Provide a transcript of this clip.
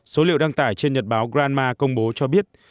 số liệu đăng tải trên nhật báo granma công bố cho biết